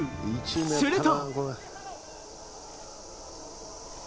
すると。